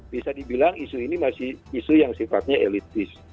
bisa dibilang isu ini masih isu yang sifatnya elitis